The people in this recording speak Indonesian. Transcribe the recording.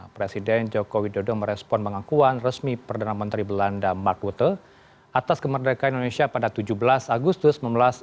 presiden joko widodo merespon pengakuan resmi perdana menteri belanda mark rute atas kemerdekaan indonesia pada tujuh belas agustus seribu sembilan ratus empat puluh